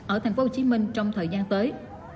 ở tp hcm trong thời gian tới